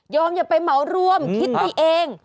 อย่าไปเหมารวมคิดไปเอง